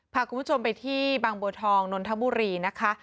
พาคุณผู้ชมไปที่บางบัวทองนนทบุรีนะคะ